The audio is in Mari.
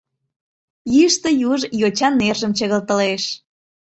Йӱштӧ юж йочан нержым чыгылтылеш.